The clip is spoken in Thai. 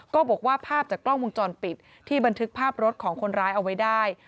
ก็บอกว่าภาพจากกล้องวงจรปิดที่บันทึกภาพรถของคนร้ายเอาไว้ได้